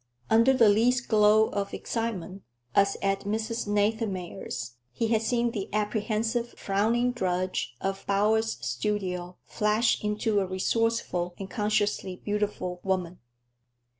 Under the least glow of excitement, as at Mrs. Nathanmeyer's, he had seen the apprehensive, frowning drudge of Bowers's studio flash into a resourceful and consciously beautiful woman.